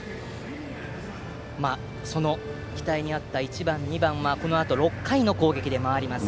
その期待にあった１番、２番はこのあと６回の攻撃で回ります。